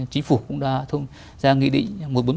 chính phủ cũng đã ra nghị định một trăm bốn mươi bảy